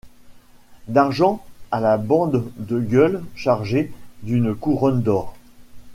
D'argent à la bande de gueules chargée d'une couronne d'or.